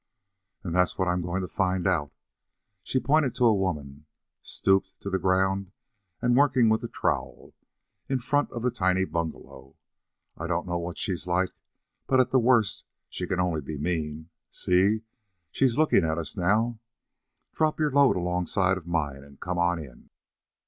"And that's what I'm going to find out." She pointed to a woman, stooped to the ground and working with a trowel; in front of the tiny bungalow. "I don't know what she's like, but at the worst she can only be mean. See! She's looking at us now. Drop your load alongside of mine, and come on in."